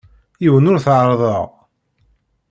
Yiwen ur t-ɛerrḍeɣ.